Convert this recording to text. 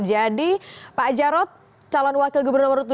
jadi pak jarod calon wakil gubernur nomor dua